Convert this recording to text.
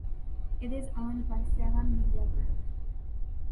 It is owned by Salem Media Group.